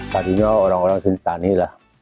tadinya orang orang sini tani lah